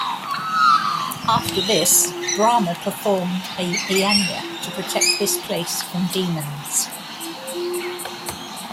After this Brahma performed a yagna to protect this place from demons.